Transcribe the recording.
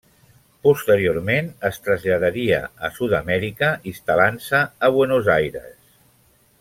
Posteriorment es traslladaria a Sud-amèrica, instal·lant-se a Buenos Aires.